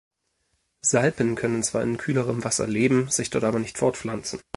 Salpen können zwar in kühlerem Wasser leben, sich dort aber nicht fortpflanzen.